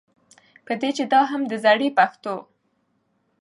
په دې چې دا هم د زړې پښتو